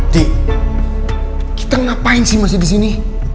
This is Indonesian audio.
di kita ngapain sih masih disini